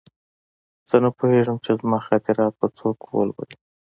زه نه پوهېږم چې زما خاطرات به څوک ولولي